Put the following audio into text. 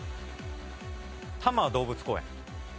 多摩動物公園。